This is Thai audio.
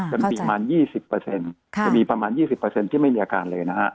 จะมีประมาณ๒๐ที่ไม่มีอาการเลย